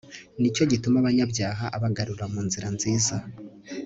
ni cyo gituma abanyabyaha abagarura mu nzira nziza